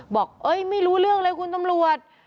บอกไม่รู้เรื่องเลยคุณตำรวจ